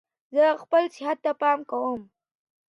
زه خپل صحت ته پام کوم.